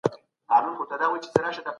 که ته جنایت وکړې سزا به ووینې.